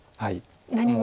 何も。